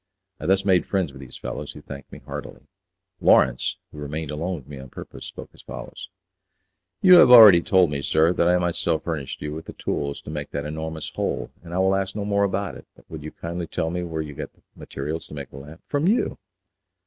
I thus made friends with these fellows, who thanked me heartily. Lawrence, who remained alone with me on purpose, spoke as follows: "You have already told me, sir, that I myself furnished you with the tools to make that enormous hole, and I will ask no more about it; but would you kindly tell me where you got the materials to make a lamp?" "From you."